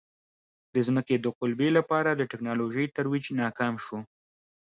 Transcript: د ځمکې د قُلبې لپاره د ټکنالوژۍ ترویج ناکام شو.